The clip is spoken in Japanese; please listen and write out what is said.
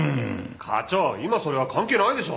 課長今それは関係ないでしょ！